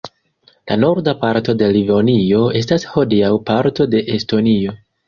La norda parto de Livonio estas hodiaŭ parto de Estonio.